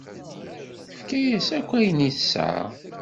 Tefka-yas akk ayen tesɛa.